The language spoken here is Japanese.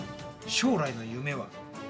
将来の夢は？